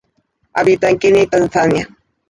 Habita en Kenia y Tanzania.